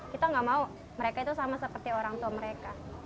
kita nggak mau mereka itu sama seperti orang tua mereka